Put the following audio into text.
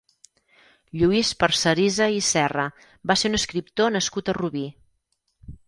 Lluís Parcerisa i Serra va ser un escriptor nascut a Rubí.